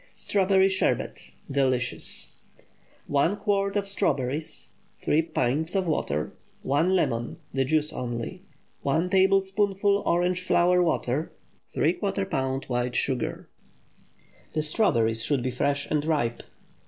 STRAWBERRY SHERBET. (Delicious.) ✠ 1 quart of strawberries. 3 pints of water. 1 lemon—the juice only. 1 tablespoonful orange flower water. ¾ lb. white sugar. The strawberries should be fresh and ripe.